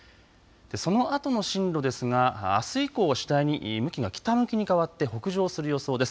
そのあとの進路ですがあす以降、次第に向きが北向きに変わって北上する予想です。